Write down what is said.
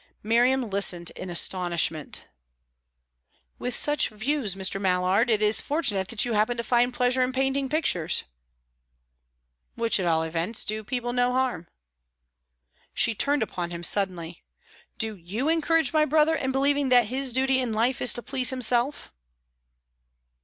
Miriam listened in astonishment. "With such views, Mr. Mallard, it is fortunate that you happen to find pleasure in painting pictures." "Which, at all events, do people no harm." She turned upon him suddenly. "Do you encourage my brother in believing that his duty in life is to please himself?"